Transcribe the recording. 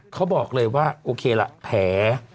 เขาบอกเลยว่าโอเคละแผล